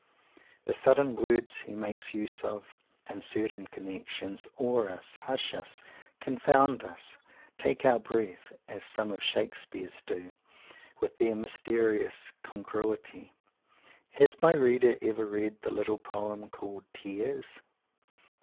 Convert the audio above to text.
The sudden words he makes use of, in certain connections, awe us, hush us, confound us, take our breath, as some of Shakespeare's do with their mysterious congruity. Has my reader ever read the little poem called "Tears"?